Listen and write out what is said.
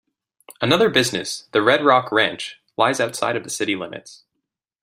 Another business, the Red Rock Ranch, lies outside of the city limits.